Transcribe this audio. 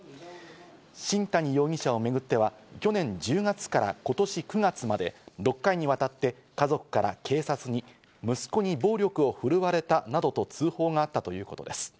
新谷容疑者をめぐっては去年１０月から今年９月まで６回にわたって家族から警察に息子に暴力を振るわれたなどと通報があったということです。